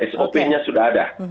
sop nya sudah ada